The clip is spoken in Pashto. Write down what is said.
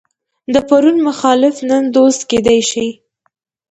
د پرون مخالف نن دوست کېدای شي.